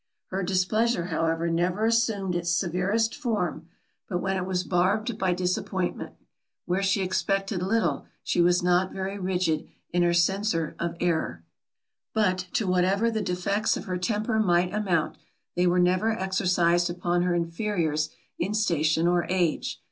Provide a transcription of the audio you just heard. Her displeasure however never assumed its severest form, but when it was barbed by disappointment. Where she expected little, she was not very rigid in her censure of error. But, to whatever the defects of her temper might amount, they were never exercised upon her inferiors in station or age.